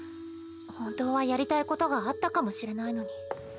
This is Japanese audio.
本当はやりたいことがあったかもしれないのに。